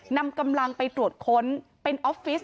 นำกำลังไปตรวจค้นเป็นออฟฟิศ